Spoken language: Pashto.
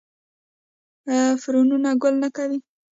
فرنونه ګل نه کوي